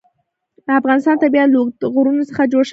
د افغانستان طبیعت له اوږده غرونه څخه جوړ شوی دی.